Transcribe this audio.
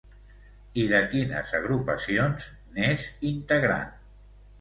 I de quines agrupacions n'és integrant?